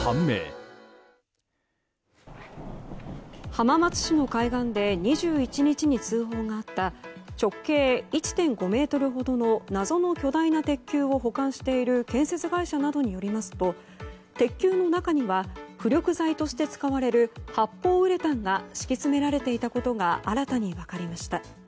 浜松市の海岸で２１日に通報があった直径１．５ｍほどの謎の巨大な鉄球を保管している建設会社などによりますと鉄球の中には浮力材として使われる発泡ウレタンが敷き詰められていたことが新たに分かりました。